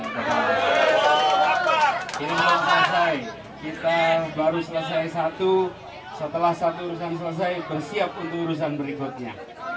ini belum selesai kita baru selesai satu setelah satu urusan selesai bersiap untuk urusan berikutnya